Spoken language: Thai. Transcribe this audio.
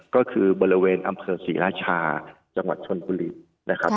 ก็คือบริเวณอำเภอศรีราชาจังหวัดชนฮลิว